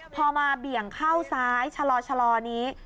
พอมาเบี่ยงเข้าซ้ายชะลอนี้